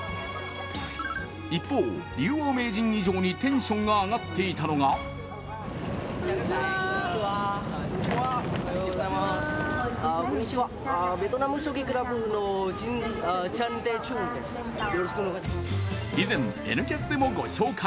一方、竜王名人以上にテンションが上がっていたのが以前「Ｎキャス」でもご紹介。